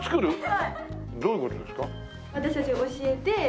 はい。